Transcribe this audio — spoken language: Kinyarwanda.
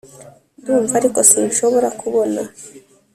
ndumva, ariko sinshobora kubona,